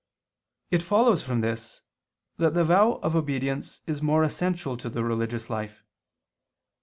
It follows from this that the vow of obedience is more essential to the religious life.